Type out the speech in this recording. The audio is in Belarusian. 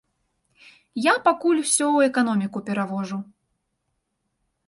Я пакуль усё ў эканоміку перавожу.